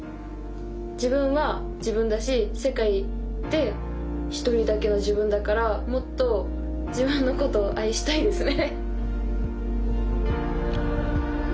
自分は自分だし世界で一人だけの自分だからもっと自分のことを愛したいですね。